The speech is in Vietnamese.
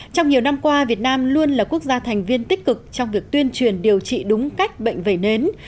trong nhiều năm qua việt nam luôn là quốc gia thành viên tích cực trong việc tuyên truyền điều trị đúng cách bệnh vẩy nến